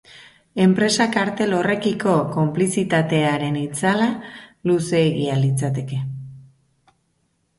Enpresa kartel horrekiko konplizitatearen itzala luzeegia litzateke.